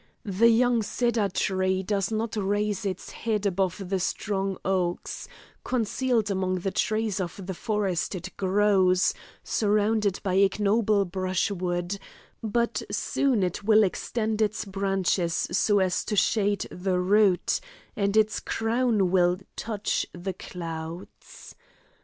The young cedar tree does not raise its head above the strong oaks; concealed among the trees of the forest it grows, surrounded by ignoble brushwood, but soon it will extend its branches so as to shade the root, and its crown will touch the clouds.